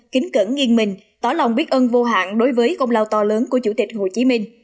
kính cẩn nghiêng mình tỏ lòng biết ơn vô hạn đối với công lao to lớn của chủ tịch hồ chí minh